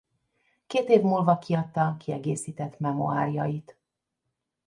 Két év múlva kiadta kiegészített memoárjait.